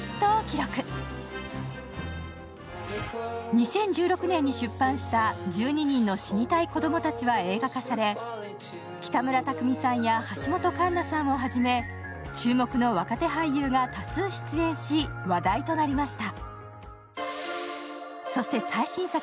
２０１６年に出版した「１２人の死にたい子どもたち」は映画化され北村匠海さんや橋本環奈さんをはじめ、注目の若手俳優が多数出演し、話題となりました。